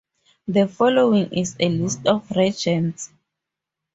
The following is a list of regents.